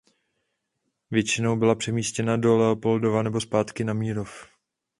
Většina byla přemístěna do Leopoldova nebo zpátky na Mírov.